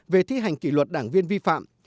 về thi hành kỷ luật đảng viên vi phạm